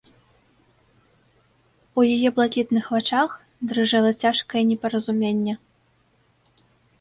У яе блакітных вачах дрыжэла цяжкае непаразуменне.